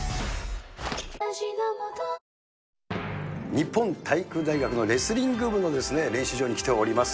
日本体育大学のレスリング部の練習場に来ております。